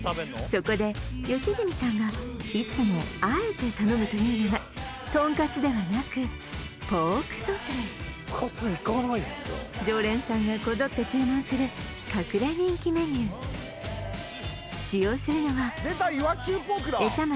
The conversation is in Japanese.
そこで良純さんがいつもあえて頼むというのがとんかつではなくポークソテー常連さんがこぞって注文する隠れ人気メニュー使用するのはでた岩中ポークだ！